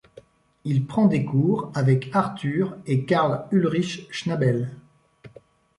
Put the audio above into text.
Il prend des cours avec Artur et Karl Ulrich Schnabel.